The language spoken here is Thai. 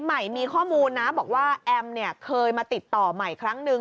ใหม่มีข้อมูลนะบอกว่าแอมเนี่ยเคยมาติดต่อใหม่ครั้งนึง